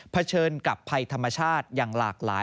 เชิญกับภัยธรรมชาติอย่างหลากหลาย